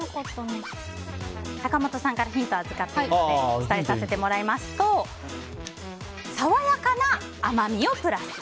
坂本さんからヒントを預かっているので伝えさせてもらいますとさわやかな甘みをプラス。